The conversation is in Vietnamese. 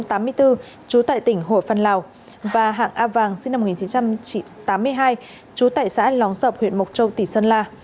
trú tại tỉnh hồi phân lào và hạng a vàng sinh năm một nghìn chín trăm tám mươi hai trú tại xã lóng sập huyện mộc châu tỉnh sơn la